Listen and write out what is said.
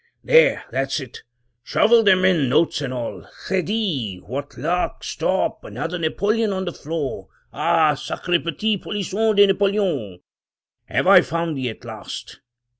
There! that's it — shovel them in, notes and all! Credie! what luck! Stop! another napoleon on the floor! Ah! sacre petit polisson de Napoleon! have I found thee at last?